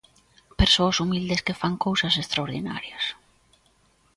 Persoas humildes que fan cousas extraordinarias.